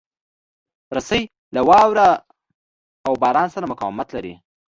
رسۍ له واوره او باران سره مقاومت لري.